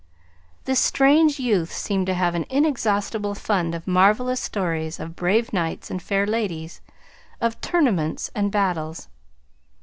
This strange youth seemed to have an inexhaustible fund of marvelous stories of brave knights and fair ladies, of tournaments and battles.